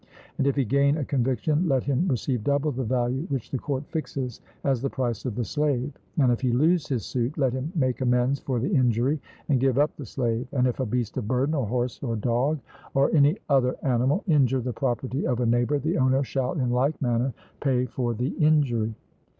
And if he gain a conviction, let him receive double the value which the court fixes as the price of the slave; and if he lose his suit, let him make amends for the injury, and give up the slave. And if a beast of burden, or horse, or dog, or any other animal, injure the property of a neighbour, the owner shall in like manner pay for the injury.